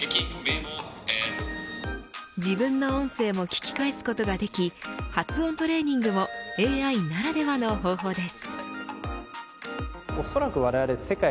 自分の音声も聞き返すことができ発音トレーニングもＡＩならではの方法です。